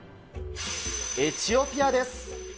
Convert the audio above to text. エチオピアです。